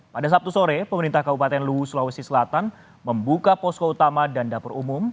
pada sabtu sore pemerintah kabupaten luwu sulawesi selatan membuka posko utama dan dapur umum